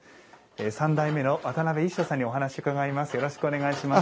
三代目の渡辺一生さんにお話を伺います。